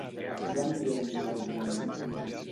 A qui va enviar un missatge ahir?